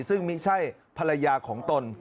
ซึ่งไม่ใช่ภรรยาของตน